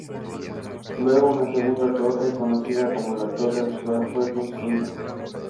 Luego, una segunda torre, conocida como La Torre Austral, fue construida.